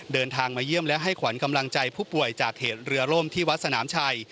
เดินทางมาเยี่ยมและให้ขวัญกำลังใจผู้ป่วยจากเหตุเรือล่มที่วัดสนามชัย